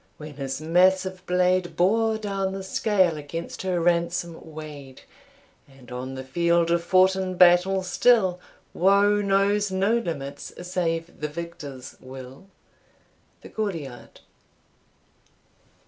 when his massive blade Bore down the scale against her ransom weigh'd; And on the field of foughten battle still, Woe knows no limits save the victor's will. The Gaulliad.